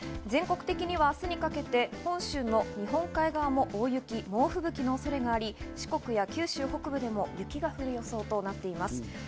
全国的には明日にかけて本州の日本海側も大雪、猛吹雪の恐れがあり、四国や九州北部でも雪が降る予想となっています。